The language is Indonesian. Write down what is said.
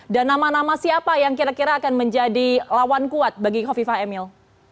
dan nama nama siapa yang kira kira akan menjadi lawan kuat bagi kofifah emil